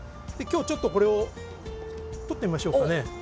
今日ちょっとこれを取ってみましょうかね。